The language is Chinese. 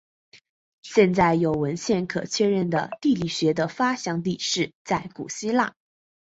现在有文献可确认的地理学的发祥地是在古代希腊。